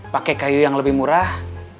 pakai kayu yang lebih murah